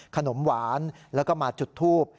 ขนมหวานแล้วก็มาจุดทูบ